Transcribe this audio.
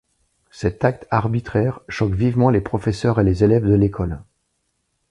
Cet acte arbitraire choque vivement les professeurs et les élèves de l’école.